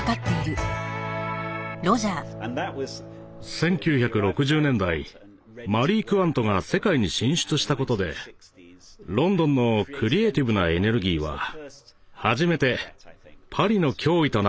１９６０年代マリー・クワントが世界に進出したことでロンドンのクリエーティブなエネルギーは初めてパリの脅威となったのです。